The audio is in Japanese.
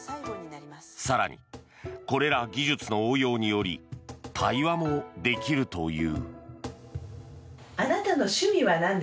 更に、これらの技術の応用により対話もできるという。